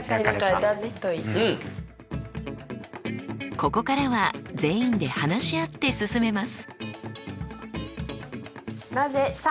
ここからは全員で話し合って進めます。